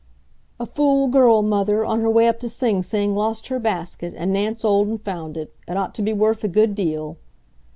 "A fool girl, mother, on her way up to Sing Sing, lost her basket, and Nance Olden found it; it ought to be worth a good deal."